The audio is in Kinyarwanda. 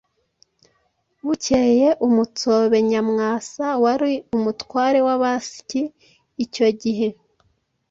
Bukeye umutsobe Nyamwasa wari umutware w’abasyi icyo gihe,